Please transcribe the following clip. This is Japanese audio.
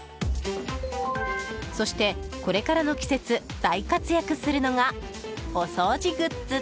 そして、これからの季節大活躍するのがお掃除グッズ！